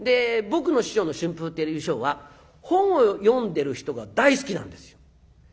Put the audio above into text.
僕の師匠の春風亭柳昇は本を読んでる人が大好きなんですよ。